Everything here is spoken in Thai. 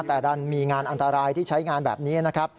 แต่ดันมีงานอันตรายที่ใช้งานแบบนี้นะครับ